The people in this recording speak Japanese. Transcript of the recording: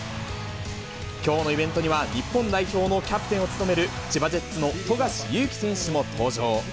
きょうのイベントには、日本代表のキャプテンを務める、千葉ジェッツの富樫勇樹選手も登場。